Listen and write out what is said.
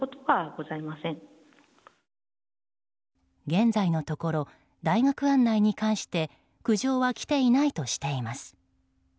現在のところ大学案内に関して苦情は来ていないとしています。